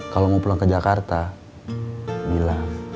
kalau mau pulang ke jakarta gila